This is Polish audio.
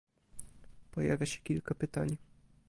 Pojawia się kilka pytań